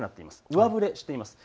上振れしています。